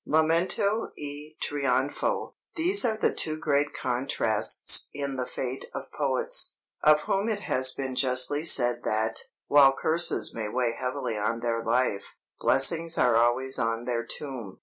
"'Lamento e Trionfo' these are the two great contrasts in the fate of poets, of whom it has been justly said that, while curses may weigh heavily on their life, blessings are always on their tomb.